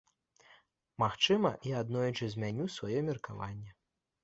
Магчыма, я аднойчы змяню сваё меркаванне.